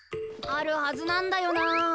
あるはずなんだよな。